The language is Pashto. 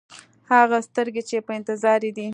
هغه سترګې چې په انتظار یې دی.